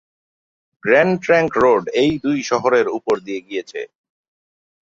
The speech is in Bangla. গ্র্যান্ড ট্রাঙ্ক রোড এই দুই শহরের উপর দিয়েই গিয়েছে।